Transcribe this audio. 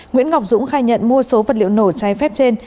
nguyễn ngọc dũng khai nhận mua số vật liệu nổ trái phép trên